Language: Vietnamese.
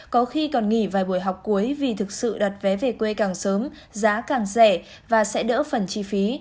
có khi còn nghỉ vài buổi học cuối vì thực sự đặt vé về quê càng sớm giá càng rẻ và sẽ đỡ phần chi phí